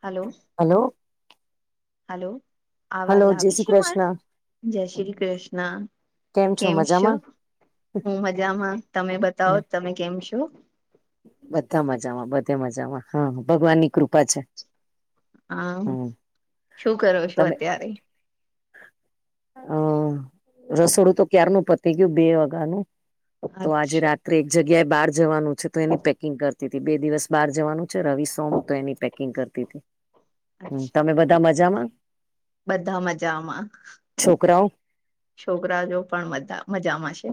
Hello. Hello hello. Hello અવાજ જય આવે શ્રી છે મારે કૃષ્ણ. જય શ્રી કૃષ્ણ કેમ છો હું મજામાં. તમે બતાવો હમ, તમે કેમ [unintelligible] બધા મજામાં બધે મજામાં હા ભગવાનની કૃપા છે. હા હમ શું કરો છો અત્યારે. હમ રસોડું તો ક્યારનું પતી ગયું બે [unintelligible] તો આજે અચ્છા રાત્રે એક જગ્યાએ બહાર જવાનું છે, તો એની પેકિંગ કર. બે દિવસ બહાર જવાનું છે, રવિ સોમ તો એની પેકિંગ કરતી હતી. હમ અચ્છા તમે બધા મજામાં છોકરાઓ. છોકરાજો પણા મજામાંશે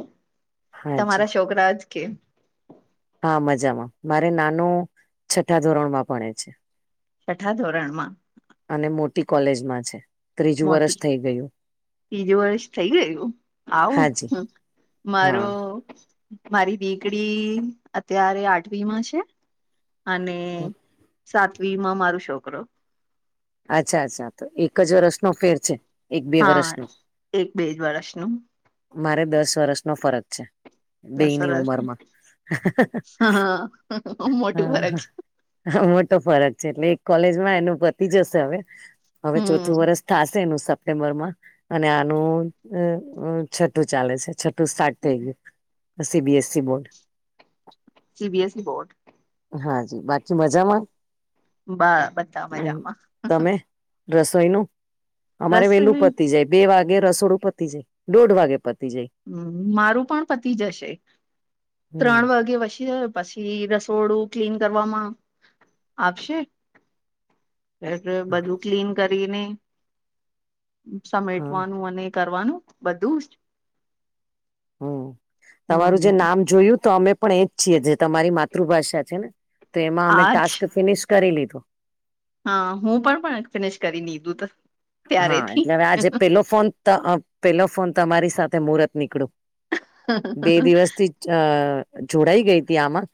હાજી તમારા છોકરાજ કે. હા મજામાં મારે નાનું છઠ્ઠા ધોરણ માં ભણે છે. છઠા ધોરણમાં. અને મોટી કોલેજમાં છે, ત્રીજું વરષ થઈ ગયું. બીજું વર્ષ થઈ ગયું હાજી આવું મારો. હા મારી દીકડી અત્યારે આઠવી માં છે. અને સાતવી માં મારો છોકરો. અચ્છા અચ્છા તો એક જ [unintelligible] ફેર છે. એક બે હા વર્ષનો એક બેજ વર્ષનું. મારે દસ વર્ષ નો ફરક છે. બેની દસરા છે. ઉમરમાં હા મોટું ફરક હા છે હ મોટો ફરક છે, એટલે એક કોલેજમાં એનું પતી જશે હવે હવે હમ ચોથું વર્ષ. થશે એનું સપ્ટેમ્બરમાં અને આનું [unintelligible] ચાલે છે [unintelligible] સ્ટાર્ટ થઈ ગયું સીબીએસસી બોર્ડ. CBS [unintelligible] board. હા જ બાકી મજામાં બા બધા હ મજામાં તમે. રસોઈ નું અમારે બસ વેલું પતી જાય. બે વાગે રસોડું પતી જાય દોઢ વાગે પતી જાય. હમ મારું પણ પતિ જશે હમ ત્રણ વાગે પછી. પછી રસોડું ક્લીન કરવામાં આવશે. એ બધું ક્લીન કરીને. હા સમેટવાનું અને કરવાનું બધું જ. હમ તમારું જે હમ નામ જોયું તો અમે પણ એજ છીએ જે તમારી માતૃભાષા છે ને તો એમાં અમે આજ ટાસ્ક ફિનિશ કરી લીધું હા હું પણ પણ ફિનિશ કરી લીધું હા એટલે હવે આજે પેલો ફોન પેલો ફોન તમારી સાથે મુહૂર્ત નીકળું બે દિવસ થી જોડાઈ ગઈ હતી આમાં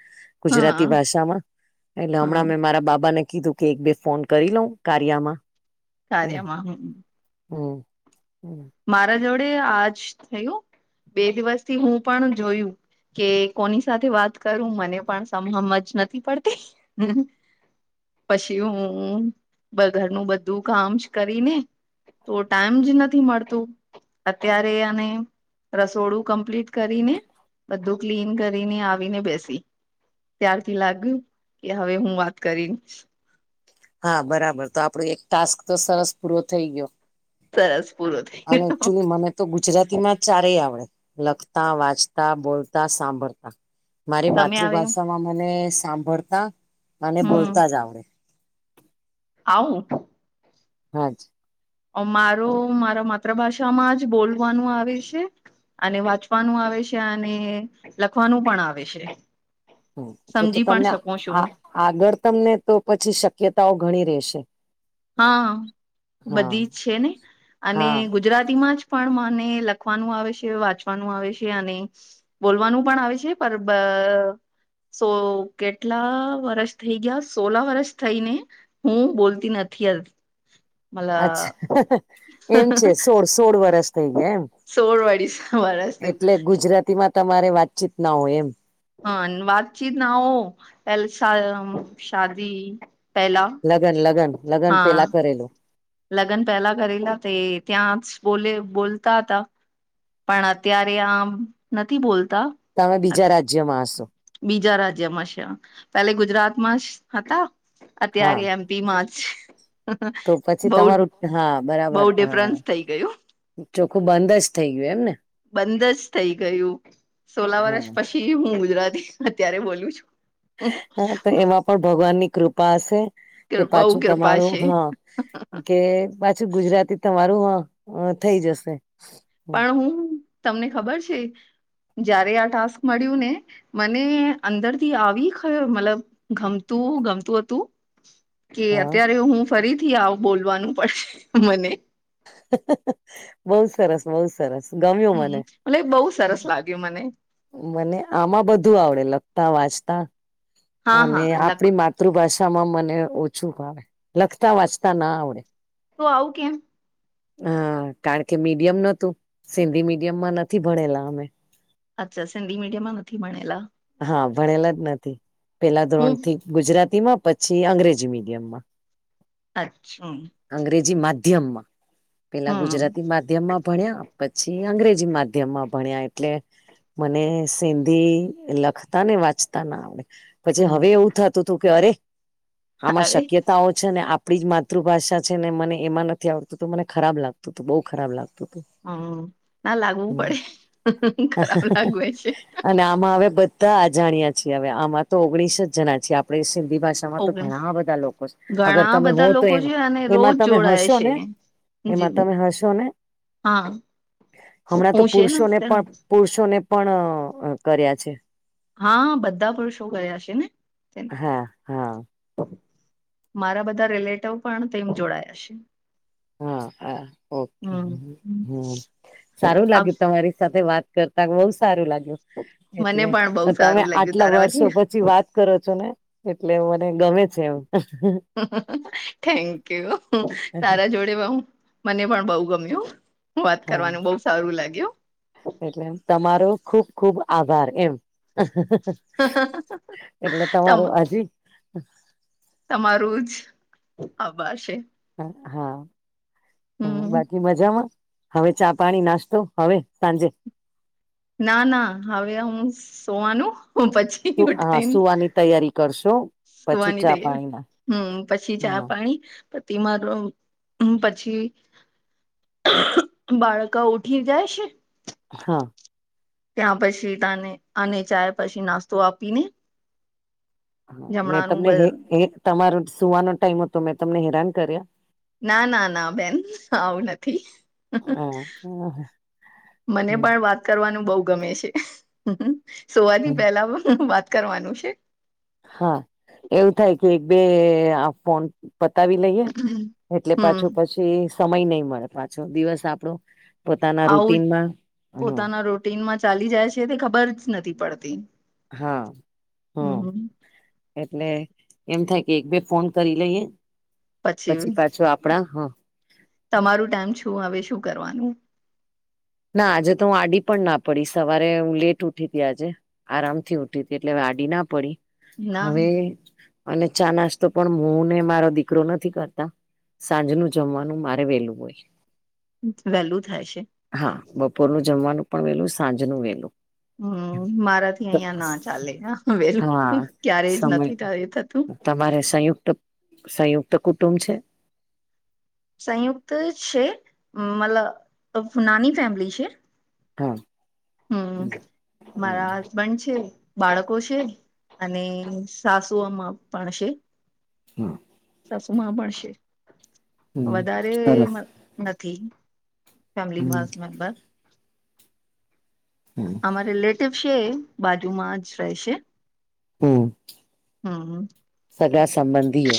હા ગુજરાતી ભાષામાં એટલે હા હમણાં મેં મારા બાબા ને કીધું કે એક બે ફોન કરી લઉ કાર્યમાં કાર્યમાં હ હમ હમ મારા જોડે આજ થયું બે દિવસથી હું પણ જોયું કે કોની સાથે વાત કરું મને પણ સમહમ જ નથી પડતી હ પછી હું ઘરનું બધું કામ કરીને તો ટાઈમ જ નથી મળતો અત્યારે અને રસોડું કમ્પ્લીટ કરીને બધું ક્લીન કરીને આવીને બેસી ત્યારથી લાગ્યું કે હવે હું વાત કરી હા બરાબર તો આપણો એક ટાસ્ક તો સરસ પૂરો થઈ ગયો સરસ પુરવ થ અનેક્ચુઅલી મ તો ગુજરાતી માં ચારેય આવડે લખતા વાંચતા બોલતા સાંભળતા મારી તમે આવે માતૃભાષામાં મને સાંભળતા મને હમ બોલતા જ આવડે આવમું હા જ મારો મારા માતૃભાષામાં જ બોલવાનું આવે છે અને વાંચવાનું આવે છે અને લખવાનું પણ આવે છે હમ. તો તો સમજી પણ તમને શકું છું આ આગળ તમને તો પછી શક્યતાઓ ઘણી રહેશે હા હા બધી જ છે ને અને હા ગુજરા ગુજરાતી માં જ પણ મને લખવાનું આવે છે વાંચવાનું આવે છે અને બોલવાનું પણ આવે છે પર સો કેટલા વરષ થઈ ગયા સોલા વરષ થઈને હું બોલતી નથી મલ અચ્છા એમ છે સોળ સોળ વરસ થઈ ગયા એમ સોળવાડી સમાારા છે એટલે ગુજરાતીમાં તમારે વાતચીત ના હોય એમ હ વાતચીત ના હો પેલસા શાદી પહેલા લગ્ન લગ્ન લગ્ન હા પેલા કરેલું લગ્ન પહેલા કરેલા તે ત્યાં બોલે બોલતા હતા પણ અત્યારે આમ નથી બોલતા તમે બીજા રાજ્યમાં હશો બીજા રાજ્યમાં છે પેલે ગુજરાતમાં હતા હા અત્યારે એમ બી જ તો પછી બઉ તમારું હા બઉ બરાબર હા ડિફરન્સ થઇ ગયું ચોખ્ખું બંધ જ થઇ ગયું એમ ને બંધ જ થઈ ગયું સોલા હા વર્ષ પછી હું ગુજરાતી અત્યારે બોલું છું હા તો એમાં પણ ભગવાન ની કૃપા હશે કે બઉ પાછું કૃપા તમારું છે હા કે પાછું ગુજરાતી તમારું હ થઈ જશે પણ હું તમને ખબર છે જયારે આ ટાસ્ક મળ્યું ને મને અંદરથી આવી મતલબ ગમતું ગમતું હતું કે હા અત્યારે હું ફરીથી આવ બોલવાનું પડશે મને બહુ સરસ, બઉુ સરસ. ગમ્યું હમ, મને મલે બહુ સરસ લાગ્યું મને. મને આમાં બધું આવડે, લખતા વાંચતા હા અને હા લખ આપડી માતા. માતૃભાષામાં મને ઓછું લખતા, વાંચતા ના આવડે. તો આવું કેમ? હ, કારણ કે મીડિયમ નોતું, સિંધી મીડિયમમાં નથી ભણેલા અમે. અચ્છા, સિંધી મીડિયમમાં નથી ભણેલા. હા, ભણેલા જ નથી. પેલા ધોરણ હું થી ગુજરાતી માં, પછી અંગ્રેજી મીડિયમમાં. અચ્છા. અંગ્રેજી માધ્યમમાં, પેલા હમ ગુજરાતી માધ્યમ. માધ્યમમાં ભણ્યા પછી, અંગ્રેજી માધ્યમ માં ભણ્યા એટલે. મને સિંધી લખતા ને વાંચતા ના આવડે, પછી હમ હવે એવું થતું હતું કે અરે આમાં અરે શક્યતાઓ છે. ને, આપણી જ માતૃભાષા છે ને, મને એમાં નથી આવડતું તો મને ખરાબ લાગતું, તો બહુ ખરાબ લાગતું. હમ, ના લાગવું હતું પડે, ખરાબ લાગવે છે‌. અને આમાં હવે બધા અજાણ્યા છીએ, હવે આમાં તો ઓગણીસ જણા છીએ આપણેે. આ ભાષામાં તો ઓકે ઘણા બધા લોકો છે, અગર ઘણા તમે બધા હો તો લોકો એ છે અને એમાં રોજ તમે જોડાય હશો છે ને? જી એમાં તમે હશો ને? હા. હમણાં તો હું છે ને પુરુષોને તેનો પણ, પુરુષોને પણ કર્યા છે. હા, બધા પુરુષો ગયા છે ને? તેમ. હા, હા. મારા બધા રિલેટિવ પણ તેમ જોડાયા છે. હા, હા, ઓકે. હમ હ, સારું આ લાગ્યું તમારી સાથે વાત કર. બહુ સારું લાગ્યું, મને એટલે પણ બહુ તમે સારું લાગ્યું આટલા વર્ષો તારાથી પછી વાત. કરો છો, ને એટલે મને ગમે છે, એમ. થેન્ક યુ, તારા જોડે. મને પણ બઉ ગમ્યું, વાત હા કરવાનું બહુ સારું લાગ્યું. એટલે તમારો ખુબ ખુબ આભાર એમ. એટલે તમ તમારું હજી તમારું જ આભાર છે. હા, હમ બાકી મજામાં. હવે ચા, પાણી, નાસ્તો હવે સાંજે. ના, ના, હવે હું સુવાનું પછી. હા, ઉઠાઈને સુવાની તૈયારી કરશો. પછી સુવાની ચા તૈયારી, પાણીના હું પછી ચા- હા પાણી. પતિમારો, પછી બાળકો ઉઠી જાય છે? હા. ત્યાં પછી તને અને ચાય, પછી નાસ્તો આપીને. હા, મેં જમણાનું તમને બ તમારો સુવાનો ટાઈમ હતો, મેં તમને હૈરાન કર્યા. ના, ના, ના, બેન આવું નથી. હા મને હમ પણ વાત કરવાનું બહુ ગમે છે, સૂવાથી હમ પહેલા પણ વાત કરવાનું છે. હા, એવું થાય કે એક-બે આ ફોન પતાવી લઈએ. એટલે હમ પાછું પછી સમય નહીં મળે, પાછો દિવસ આપણો પોતાના રૂટીનમાં હ. ચીનમાં ચાલી જાય છે, તે ખબર જ નથી પડતી. હા, હ. હમ એટલે એમ થાય કે એક બે ફોન કરી લઈએ. પછી પાછો આપડા હ તમારું ટાઈમ શું હવે શું કરવાનું, ના આજે તો હું આડી પણ ના પડી સવારે હું લેટ ઉઠી હતી આજે, આરામથી ઉઠી હતી, એટલે વાડી ના પડી ના હવે જ અને ચા-નાસ્તો પણ હું ને મારો દીકરો નથી કરતા, સાંજ નું જમવાનું મારે વેલું હોય, વેલું થાય છે, હા બપોરનું જમવાનું પણ વેલું સાંજ ન વેલું. હું મારાથી અહિયાં યા ના ચાલે હા લેવું હા ક્યારેય જ સમય નથી થતું, તમારે સંયુક્ત સંયુક્ત કુટુંબ છે, સંયુક્ત છે, મતલબ નાની ફેમિલી છે, હા હું હમ હમ મારા, હસબન્ડ છે, બાળકો છે, અને સાસુઓમાં પણ છે. હું. ચશ્મા માં પણ છે, વધારે સરસ નથી. ફેમિલી હમ બસ મેમ્બર, હું. અમારે રિલેટિવ છે, બાજુમાં જ રહેશે. હું. હમ સંબંધીઓ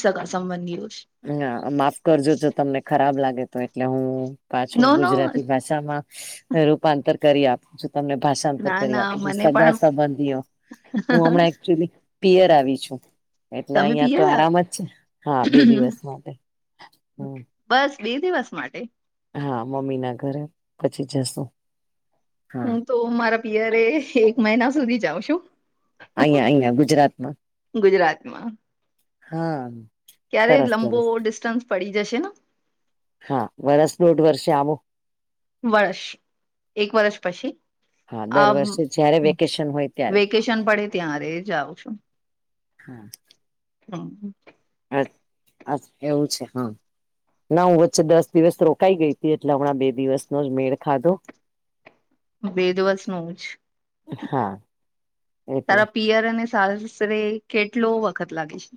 સગા સંબંધીઓ છે. ના માફ કરજો જો તમને ખરાબ લાગે તો એટલે હું પાછું નો નો ગુજરાતી ભાષા રૂપાંતર કરી આપે તમને ભાષાંતર ના કરી ના આપું છું મને સગા પણ સંબંધીઓ હું હમણાં એકચુલી પિયર આવી છું, એટલે તમે અહિયાં તો પિયર આરામ જ છે, હા બે દિવસ માટે હમ બસ બે દિવસ માટે? હા મમ્મી ના ઘરે પછી જશુ. હું તો મારા પિયરે એક મહિના સુધી જાઉં છું. અહીંયા અહંરુ ગુજરાતમાં ગુજરાતમાં હા ક્યારે સરસ લંબો સરસ ડિસ્ટન્સ પડી જશે ને હા વરસ દોઢ વર્ષ આવુ. વર્ષ એક વર્ષ પછી. હા દર આ વર્ષે જયારે વેકેશન હોય ત્યારે વેકેશન પડે ત્યારે જાઉં છું. [unintelligible] હમ. અ અછ એવું છે, હા ના હું વચ્ચે દસ દિવસ રોકાઈ ગઈ હતી એટલે હમણાં બે દિવસનો જ મેળ ખાધો [unintelligible] બે દિવસ નુ જ. હા. એટલે તારા પિયર અને સાસરે કેટલો વખત લાગે છે.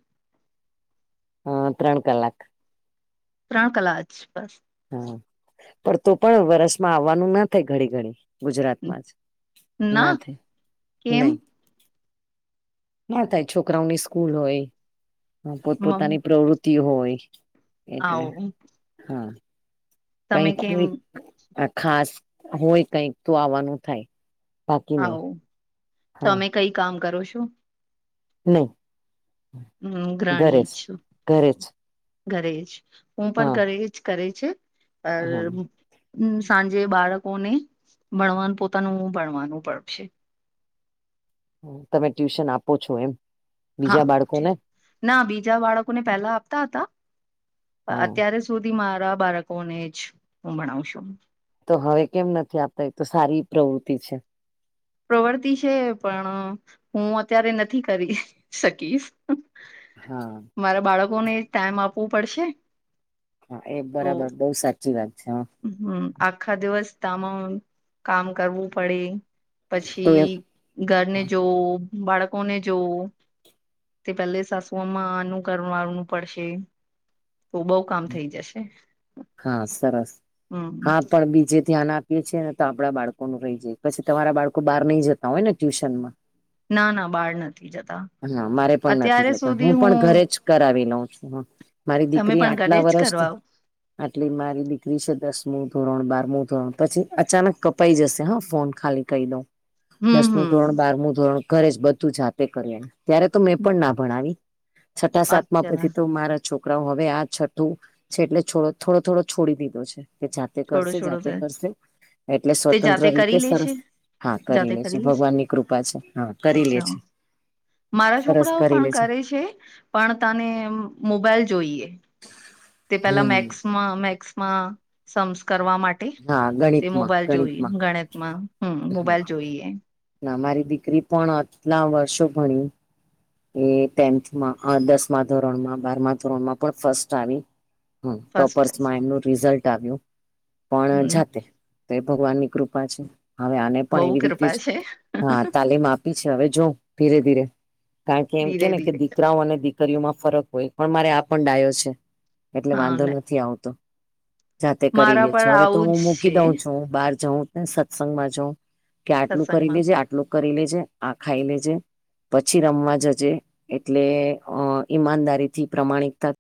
હ ત્રણ કલાક. ત્રણ કલા જ બસ. હા પણ તો પણ વરસમાં આવવાનું ના થાય ઘડી ઘડી ગુજરાતમાં જ ના થ કેમ નહી ના થાય છોકરાઓની સ્કૂલ હોય પોત મમ પોતાની પ્રવૃતિ હોય એટલે આવો હા. તમે કઈક કેમ હોય ખાસ હોય કઈક તો આવવાનું થાય. બાકી નહી. આવો હા તમે કઈ કામ કરો છો? નહી હમ ગ્રણી ઘરેજ જ છું, ઘરે જ. ઘરે જ હું પણ હા ઘરે જ કરે છે, અ હા હમ સાંજે બાળકોને ભણવાનું પોતાનું ભણવાનું પડશે તમે ટ્યુશન આપો છો એમ? હા, બીજા બાળકોને ના બીજા બાળકોને પેલા આપતા હતા. હા અત્યાર સુધી મારા બાળકોને જ હું ભણાવશું તો હવે કેમ નથી આપતા એ તો સારી પ્રવૃત્તિ છે. પ્રવર્તી છે, પણ હું અત્યારે નથી કરી શકીશ. હા. મારા બાળકોને ટાઈમ આપવું પડશે. હા એ તો બરાબર બઉુ સાચી વાત છે, હા હમ આખા દિવસ તામાં કામ કરવું પડે તો એ પછી ઘરને જોવું બાળકોને જોવું. તે પેલે સાસુઓમાં અનુંકર વાનું પડશે તો બઉ કામ થઈ જશે હા સરસ હમ હા પણ બીજે ધ્યાન આ પીએ છે ને તો આપડા બાળકો નું રહી જાય પછી તમારા બાળકો બહાર નઈ જતા હોય ને ટ્યુશન માં ના ના બહાર નથી જતા. હા મારે પણ નથી અત્યારે જતા સુધી હું પણ ઘરે જ કરાવી લઉં છું. મારી તમે દીકરી પણ ઘરે આટલા જ વર્ષ કરવાઓ આટલી મારી દીકરી છે, દસમું ધોરણ બારમું ધોરણ પછી અચાનક કપાઈ જશે હા ફોન ખાલી કહી દઉ હમ દસમું ધોરણ હમ બારમું ધોરણ ઘરે જ બધું જાતે કરી ત્યારે તો મેં પણ ના ભણાવી છઠ્ઠા સાતમાં અચ્છા પછી તો મારા છોકરાઓ હવે આ છઠ્ઠું છે એટલે છોડો થોડો થોડો છોડી દીધો છે કે જાતે છોડો કરશે છોડો જાતે તો કરશે એટલે તે સ્વતંત્ર જાતે કરી રીતે સરસ લેશે હા કરી જાતે લે છે લેશે ભગવાન ની કૃપા છે હા કરી લે અચ્છા છે મારા સરસ છોકરાઓ કરી પણ લે કરે છે પણ તને મોબાઈલ જોઈએ તે પેલા હમ મેક્સમાં મેક્સમાં સંસ્ કરવા માટે હા તે ગણિતમાં મોબાઈલ જોઈએ ગણિતમાં ગણિતમાં હમ મોબાઈલ જોઈએ ના મારી દીકરી પણ આટલા વર્ષો ભણી એ ટેન્થમાં દસમા ધોરણમાં બારમા ધોરણ માં પણ ફસ્ટ આવી હ ફર્સ્ટ ટોપર્સમાં એમનું રિઝલ્ટ આવ્યું પણ હમ જાતે તો એ ભગવાન ની કૃપા છે હવે આને બહુ પણ એવી રીતે કૃપા જ છે હા તાલીમ આપ પીછ હવે જો ધીરે ધીરે કારણ કે એમ કે ધીરે ને કે ધીરે દીકરાઓ અનેીરા માં ફરક હોય પણ મારે આ પણ ડાયો છે એટલે વાંધો હા નથી આવતો જાતે કરી મારા લે પર છે હવે તો આવું હું જ મૂકી દઉં છું બહાર જાઉં સત્સંગમાં જાઉં કે છે આટલું કરી સત્સંગમાં લેજે આટલું કરી લેજે આ ખાઈ લેજે પછી રમવા જજે એટલે અ ઈમાનદારીથી પ્રામાણિકતા